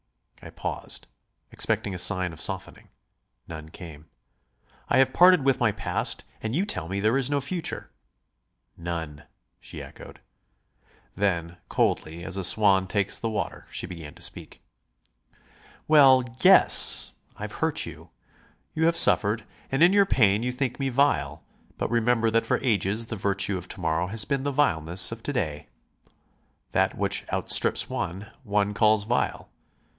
I paused, expecting a sign of softening. None came. "I have parted with my past and you tell me there is no future." "None," she echoed. Then, coldly, as a swan takes the water, she began to speak: "Well, yes! I've hurt you. You have suffered and in your pain you think me vile, but remember that for ages the virtue of to morrow has been the vileness of to day. That which outstrips one, one calls vile.